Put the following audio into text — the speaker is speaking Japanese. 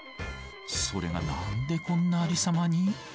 それが何でこんなありさまに。